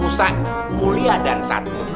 usah mulia dan satu